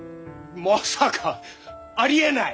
まさか！ありえない！